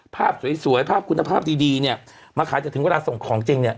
ภาพสวยภาพคุณภาพดีมาขายจนถึงเวลาส่งของจริง